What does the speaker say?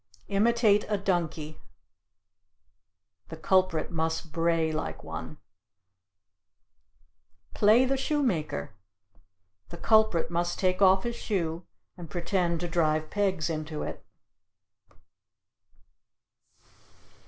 Imitate a Donkey. The culprit must bray like one. Play the Shoemaker. The culprit must take off his shoe and pretend to drive pegs into it.